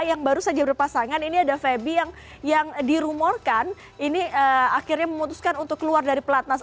yang baru saja berpasangan ini ada febi yang dirumorkan ini akhirnya memutuskan untuk keluar dari pelatnas